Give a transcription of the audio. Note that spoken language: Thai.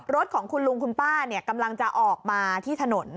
รถของคุณลุงคุณป้ากำลังจะออกมาที่ถนน